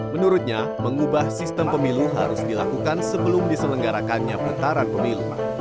menurutnya mengubah sistem pemilu harus dilakukan sebelum diselenggarakannya petaran pemilu